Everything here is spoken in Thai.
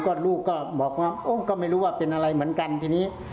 ก็ลูกก็บอกว่าก็ไม่รู้ว่าเป็นอะไรเหมือนกันทีนี้